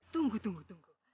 tunggu tunggu tunggu